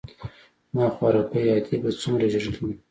زما خواركۍ ادې به څومره ژړلي وي.